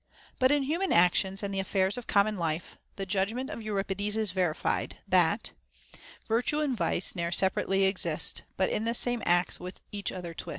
But in human actions and the affairs of common life the judg ment of Euripides is verified, that Virtue and vice ne'er separately exist, But in the same acts with each other twist.